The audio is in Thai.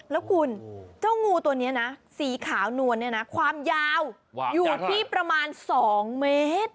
แล้วคุณเจ้างูตัวนี้นะสีขาวนวลเนี่ยนะความยาวอยู่ที่ประมาณ๒เมตร